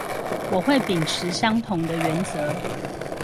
我會秉持相同的原則